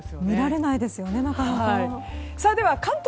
見られないですよねなかなか。